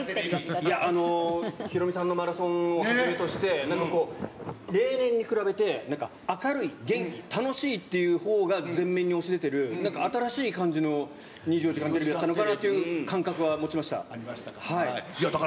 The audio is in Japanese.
ヒロミさんのマラソンをはじめとして、なんかこう、例年に比べて、なんか明るい、元気、楽しいっていうほうが前面に押し出てる、なんか新しい感じの２４時間テレビだったのかなという感覚は持ちありましたか。